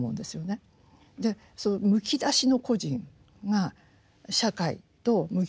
そのむき出しの個人が社会と向き合う。